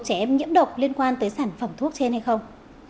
trẻ em nhiễm độc liên quan tới sản phẩm thuốc trên hay không